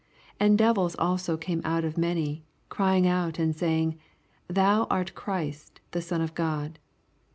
41 And devils also came out of many, crying out and saying. Thou art Christ the Son of God.